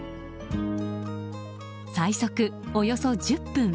最速およそ１０分。